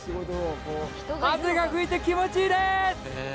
風が吹いて気持ちいいです！